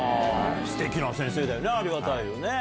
すてきな先生だよね、ありがたいよね。